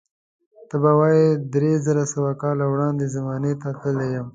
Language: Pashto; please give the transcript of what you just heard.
ته به وایې زر درې سوه کاله وړاندې زمانې ته تللی یم.